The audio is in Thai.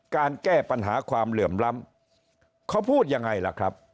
แก้ปัญหาความเหลื่อมล้ำเขาพูดยังไงล่ะครับ